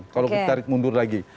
kalau ditarik mundur lagi